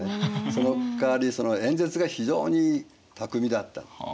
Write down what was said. そのかわり演説が非常に巧みだった。